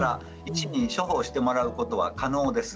処方してもらうことは可能です。